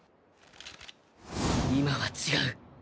今は違う！